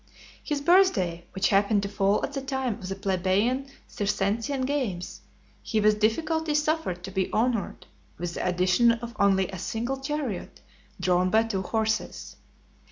His birth day, which happened to fall at the time of the Plebeian Circensian games, he with difficulty suffered to be honoured with the addition of only a single chariot, drawn by two horses.